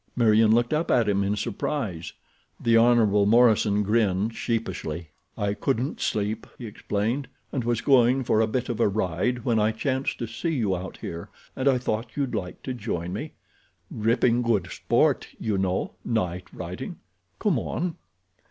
Meriem looked up at him in surprise. The Hon. Morison grinned sheepishly. "I couldn't sleep," he explained, "and was going for a bit of a ride when I chanced to see you out here, and I thought you'd like to join me. Ripping good sport, you know, night riding. Come on."